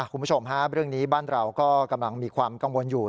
คุณผู้ชมฮะเรื่องนี้บ้านเราก็กำลังมีความกังวลอยู่